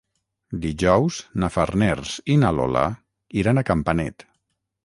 Dijous na Farners i na Lola iran a Campanet.